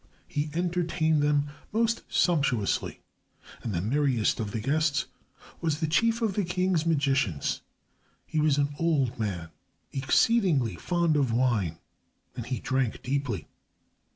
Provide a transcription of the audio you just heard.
He entertained them most sumptuously, and the merriest of the guests was the chief of the king's magicians. He was an old man, exceedingly fond of wine, and he drank deeply.